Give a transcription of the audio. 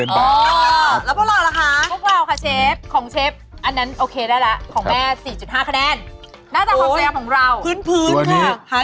ตีนิดนึงเพราะว่ามันยำเพอร์เฟคเกินไป